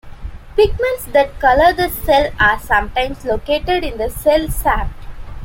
Pigments that color the cell are sometime located in the cell sap.